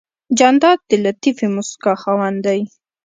جانداد د لطیفې موسکا خاوند دی.